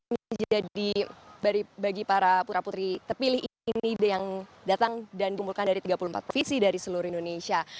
menjadi bagi para pura putri terpilih ini yang datang dan dikumpulkan dari tiga puluh empat visi dari seluruh indonesia